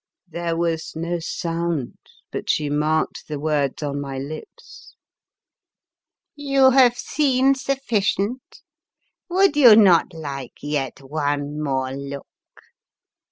There was no sound, but she marked the words on my lips. "You have seen sufficient; would you not like yet one more look?"